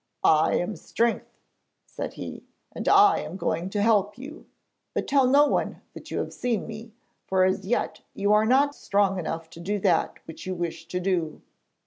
'I am Strength,' said he, 'and I am going to help you. But tell no one that you have seen me, for as yet you are not strong enough to do that which you wish to do.'